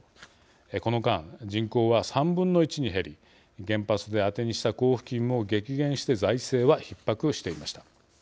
この間、人口は３分の１に減り原発であてにした交付金も激減して財政は、ひっ迫していました。